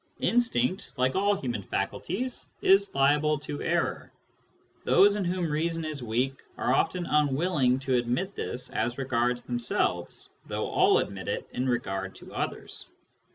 Instinct, like all human faculties, is liable to error. Those in whom reason is weak are often unwilling to admit this as regards themselves, though all admit it in regard to others.